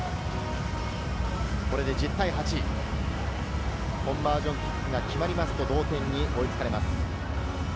これで１０対８、コンバージョンキックが決まりますと同点に追いつかれます。